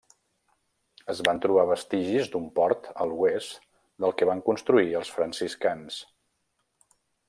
Es van trobar vestigis d'un port a l'oest del que van construir els franciscans.